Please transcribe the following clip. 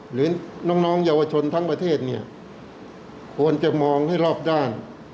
หรือน้องเยาวชนทั้งประเทศเนี่ยควรจะมองให้รอบด้าน